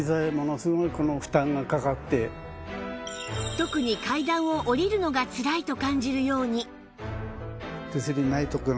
特に階段を下りるのがつらいと感じるように